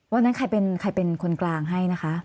วันนั้นใครเป็นคนกลางให้นะคะ